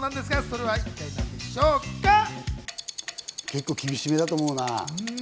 結構、厳しめだと思うな。